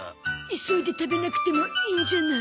急いで食べなくてもいいんじゃない？